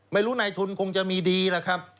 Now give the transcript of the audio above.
ไม่รู้ในทุนคงจะมีดีละครับ